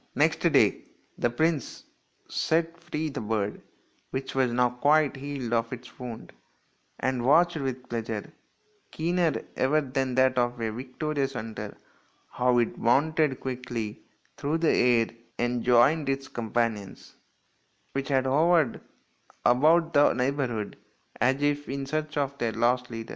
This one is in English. Next day the prince set free the bird, which was now quite healed of its wound, and watched with pleasure, keener even than 164 THE INDIAN STORY BOOK that of a victorious hunter, how it mounted quickly through the air and joined its companions, which had hovered about the neighbourhood as if in search of their lost leader.